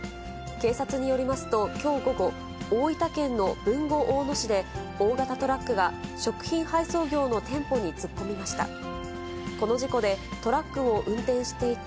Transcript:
警察によりますと、きょう午後、大分県の豊後大野市で、大型トラックが食品配送業の店舗に突っ込みました。